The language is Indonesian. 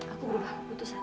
aku berubah keputusan